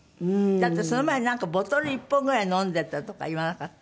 だってその前なんかボトル１本ぐらい飲んでたとか言わなかった？